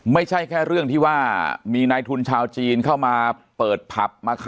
ไม่ใช่แค่เรื่องที่ว่ามีนายทุนชาวจีนเข้ามาเปิดผับ